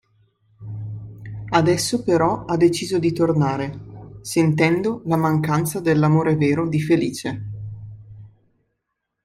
Adesso però ha deciso di tornare, sentendo la mancanza dell'amore vero di Felice.